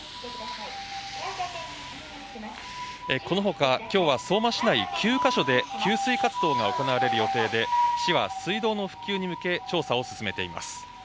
このほかきょうは相馬市内９か所で給水活動が行われる予定で市は水道の復旧に向け調査を進めています